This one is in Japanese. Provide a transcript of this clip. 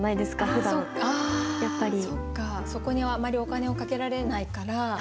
そこにあまりお金をかけられないから。